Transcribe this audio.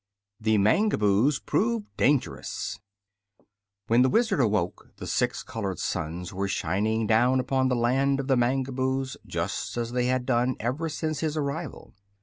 THE MANGABOOS PROVE DANGEROUS When the Wizard awoke the six colored suns were shining down upon the Land of the Mangaboos just as they had done ever since his arrival.